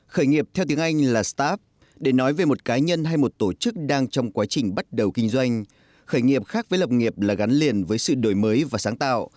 khởi nghiệp theo tiếng anh là startp để nói về một cá nhân hay một tổ chức đang trong quá trình bắt đầu kinh doanh khởi nghiệp khác với lập nghiệp là gắn liền với sự đổi mới và sáng tạo